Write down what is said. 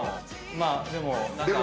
まあでも。